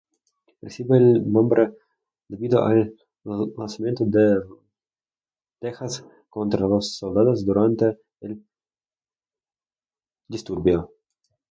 Recibe el nombre debido al lanzamiento de tejas contra los soldados durante el disturbio.